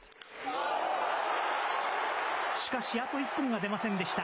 しかし、あと一本が出ませんでした。